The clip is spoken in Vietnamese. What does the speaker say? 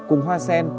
cùng hoa sen